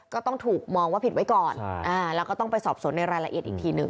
ก็ต้องถูกมองว่าผิดไว้ก่อนแล้วก็ต้องไปสอบสวนในรายละเอียดอีกทีหนึ่ง